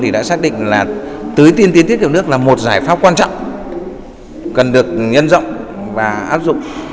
thì đã xác định là tứ tiên tiến thiết kiệm nước là một giải pháp quan trọng cần được nhân rộng và áp dụng